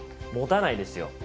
もたないですよ